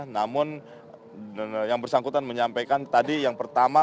namun yang bersangkutan menyampaikan tadi yang pertama